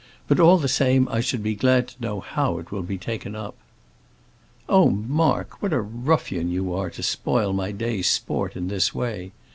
"But all the same I should be glad to know how it will be taken up." "Oh, Mark, what a ruffian you are to spoil my day's sport in this way.